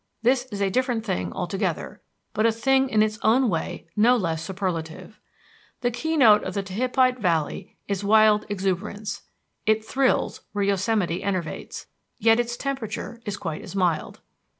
This is a different thing altogether, but a thing in its own way no less superlative. The keynote of the Tehipite Valley is wild exuberance. It thrills where Yosemite enervates. Yet its temperature is quite as mild.